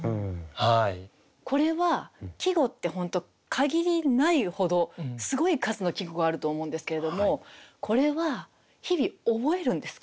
限りないほどすごい数の季語があると思うんですけれどもこれは日々覚えるんですか？